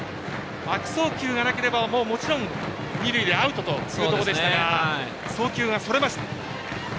悪送球がなければ、もちろん二塁でアウトとするところでしたが送球がそれました。